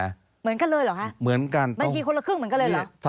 บัญชีคนละครึ่งเหมือนกันเลยเหรอ